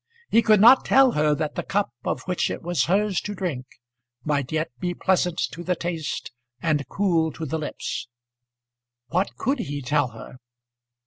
He could not tell her that the cup of which it was hers to drink might yet be pleasant to the taste, and cool to the lips! What could he tell her?